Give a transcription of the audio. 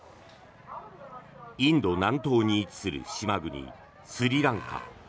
インド南東に位置する島国スリランカ。